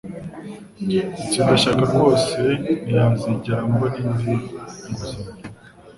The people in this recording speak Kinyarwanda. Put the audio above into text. Mutsindashyaka rwose ntazigera mbona indi nguzanyo.